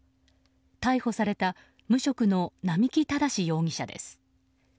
逮捕された無職の並木正容疑者です。